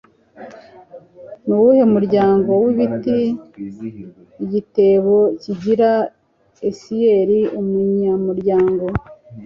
Nuwuhe muryango wibiti igitebo kigira osier umunyamuryango?